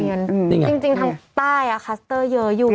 จริงทางใต้คลัสเตอร์เยอะอยู่